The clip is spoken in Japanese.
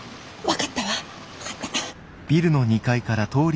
分かった。